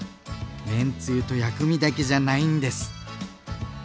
麺つゆと薬味だけじゃないんです。